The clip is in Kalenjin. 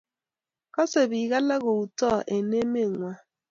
kose biik alak kou too eng' emeng'wang'.